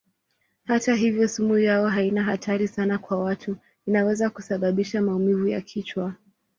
Hata hivyo sumu yao haina hatari sana kwa watu; inaweza kusababisha maumivu ya kichwa.